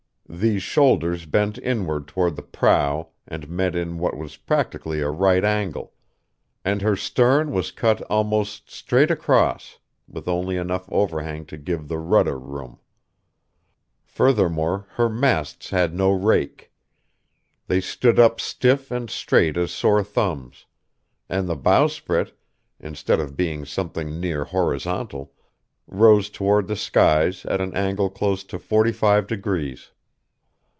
These shoulders bent inward toward the prow and met in what was practically a right angle; and her stern was cut almost straight across, with only enough overhang to give the rudder room. Furthermore, her masts had no rake. They stood up stiff and straight as sore thumbs; and the bowsprit, instead of being something near horizontal, rose toward the skies at an angle close to forty five degrees.